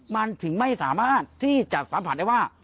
มันถึงไม่สามารถที่จะสัมผัสได้ว่า